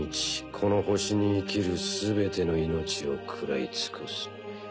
この星に生きるすべての命を食らい尽くす。